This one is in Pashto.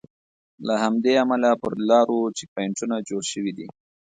له همدې امله پر لارو چیک پواینټونه جوړ شوي دي.